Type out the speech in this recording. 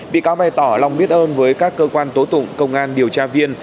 bị cáo bày tỏ lòng biết ơn với các cơ quan tố tụng công an điều tra viên